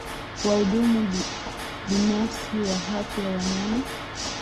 wahudumu binafsi wa afya ya wanyama